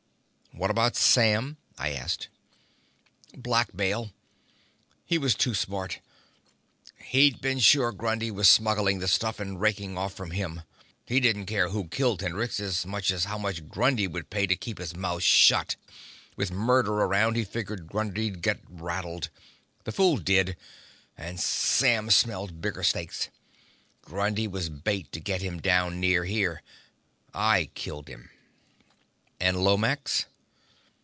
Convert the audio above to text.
"What about Sam?" I asked. "Blackmail. He was too smart. He'd been sure Grundy was smuggling the stuff, and raking off from him. He didn't care who killed Hendrix as much as how much Grundy would pay to keep his mouth shut with murder around, he figured Grundy'd get rattled. The fool did, and Sam smelled bigger stakes. Grundy was bait to get him down near here. I killed him." "And Lomax?"